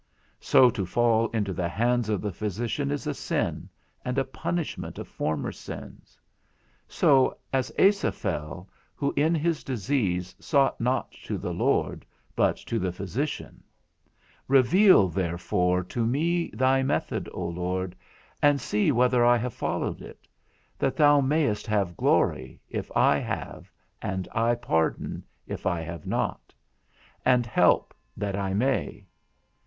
So to fall into the hands of the physician is a sin, and a punishment of former sins; so, as Asa fell, who in his disease sought not to the Lord, but to the physician. Reveal therefore to me thy method, O Lord, and see whether I have followed it; that thou mayest have glory, if I have, and I pardon, if I have not, and help that I may.